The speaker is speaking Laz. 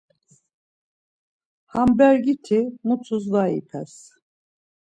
Ham bergiti mutus var pels.